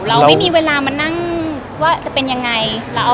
เราไม่มีเวลามานั่งว่าจะเป็นยังไง